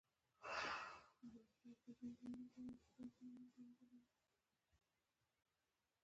د تنفس عملیه سږو ته د هوا د داخلېدو څخه عبارت ده.